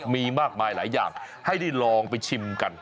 มีมากมายหลายอย่างให้ได้ลองไปชิมกัน